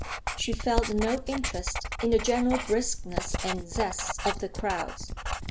She felt no interest in the general briskness and zest of the crowds.